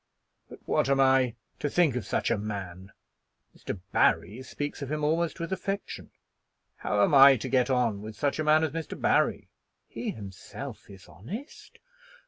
"But what am I to think of such a man? Mr. Barry speaks of him almost with affection. How am I to get on with such a man as Mr. Barry?" "He himself is honest."